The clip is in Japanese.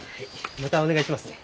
またお願いしますね。